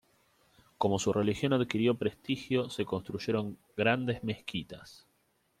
Como su religión adquirió prestigio, se construyeron grandes mezquitas.